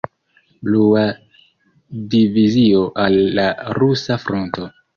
Blua Divizio al la Rusa Fronto.